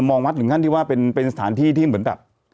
มองวัดถึงขั้นที่ว่าเป็นสถานที่ที่เหมือนแบบ